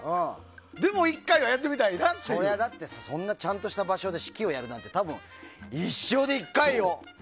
でも１回はちゃんとした場所で指揮をやるなんて多分、一生で１回よ。